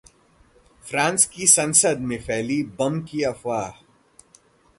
France की संसद में फैली बम की अफवाह